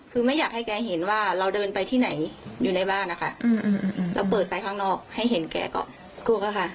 คือไม่อยากให้แกเห็นว่าเราเดินไปที่ไหนอยู่ในบ้านนะคะเราเปิดไปข้างนอกให้เห็นแกก็กลัวค่ะ